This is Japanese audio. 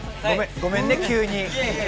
ごめんね、急に。